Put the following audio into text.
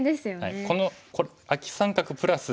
このアキ三角プラス